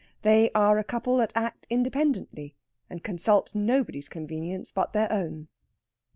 They are a couple that act independently and consult nobody's convenience but their own.